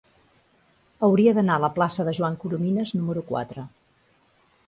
Hauria d'anar a la plaça de Joan Coromines número quatre.